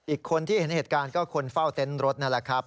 อีกคนที่เห็นเหตุการณ์ก็คนเฝ้าเต็นต์รถนั่นแหละครับ